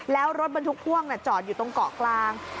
แล้วรถบรรทุกพ่วงจอดอยู่ตรงเกาะกลาง